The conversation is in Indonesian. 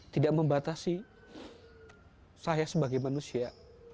tidak membatasi saya sebagai manusia